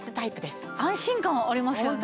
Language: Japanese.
安心感ありますよね。